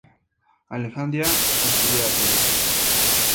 Alejandra estudia derecho.